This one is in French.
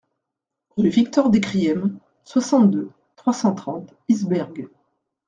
Rue Victor Decriem, soixante-deux, trois cent trente Isbergues